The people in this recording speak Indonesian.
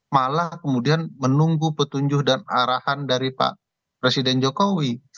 malah kemudian menunggu petunjuk dan arahan dari pak presiden jokowi